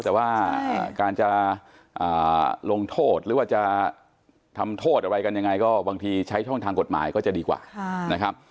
แต่ว่าการจะลงโทษหรือว่าจะทำโทษอะไรกันยังไงก็บางทีใช้ช่องทางกฎหมายก็จะดีกว่านะครับ